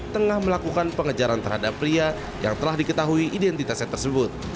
tengah melakukan pengejaran terhadap pria yang telah diketahui identitasnya tersebut